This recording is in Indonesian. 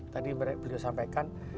tadi beliau sampaikan